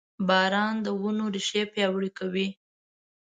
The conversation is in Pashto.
• باران د ونو ریښې پیاوړې کوي.